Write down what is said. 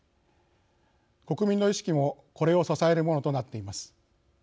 国民の意識もこれを支えるものとなっています。